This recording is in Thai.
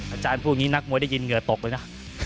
อาจารย์พูดอย่างนี้นักมวยได้ยินเหงื่อตกเลยนะ